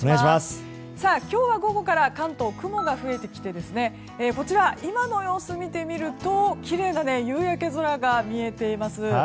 今日は午後から関東、雲が増えてきてこちら、今の様子を見てみるときれいな夕焼け空が見えています。